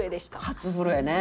初震えね。